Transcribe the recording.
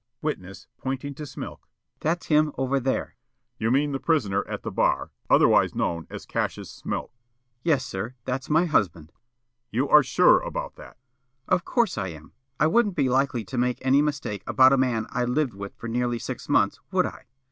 Witness, pointing to Smilk: "That's him over there." The State: "You mean the prisoner at the bar, otherwise known as Cassius Smilk?" Witness. "Yes, sir. That's my husband." The State: "You are sure about that?" Witness: "Of course, I am. I wouldn't be likely to make any mistake about a man I'd lived with for nearly six months, would I?